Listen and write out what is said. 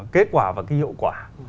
kết quả và cái hiệu quả